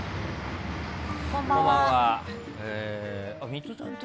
こんばんは。